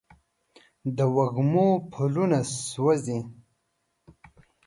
د وږمو پلونه سوزي